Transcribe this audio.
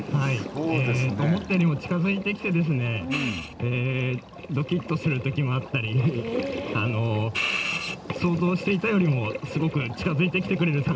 思ったよりも近づいてきてですねどきっとするときもあったり想像していたよりもすごく近づいてきてくれる魚たくさんいます。